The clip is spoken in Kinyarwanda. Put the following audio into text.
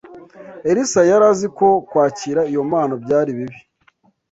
Elisa yari azi ko kwakira iyo mpano byari bibi